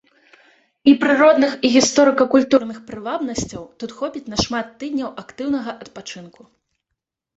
І прыродных і гісторыка-культурных прывабнасцяў тут хопіць на шмат тыдняў актыўнага адпачынку.